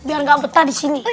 biar gak betah disini